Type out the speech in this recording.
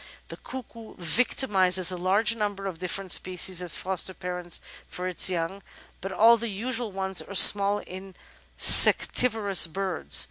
The Cuckoo victimises a large number of different species as foster parents for its young, but all the usual ones are small in sectivorous birds.